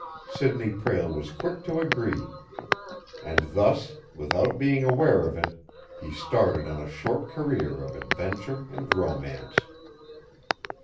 Sidney Prale was quick to agree. And thus, without being aware of it, he started on a short career of adventure and romance.